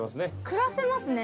暮らせますね。